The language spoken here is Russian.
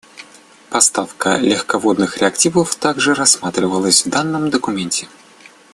Поставка легководных реакторов также рассматривалась в данном документе.